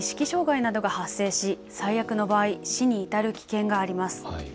障害などが発生し最悪の場合、死に至る危険があります。